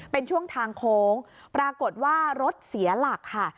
เป็นช่วงทางโค้งปรากฏว่ารถเสียหลักค่ะ